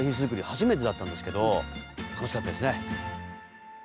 初めてだったんですけど楽しかったですね。